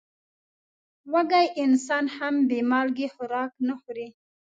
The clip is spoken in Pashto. وږی انسان هم بې مالګې خوراک نه خوري.